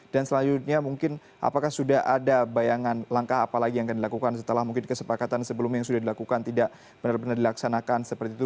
dan selanjutnya mungkin apakah sudah ada bayangan langkah apa lagi yang akan dilakukan setelah mungkin kesepakatan sebelumnya yang sudah dilakukan tidak benar benar dilaksanakan seperti itu